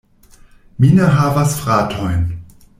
Mi ne havas fratojn.